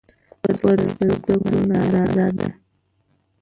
کورس د زده کړو ننداره ده.